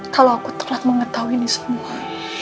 kalau aku telah mengetahui ini semua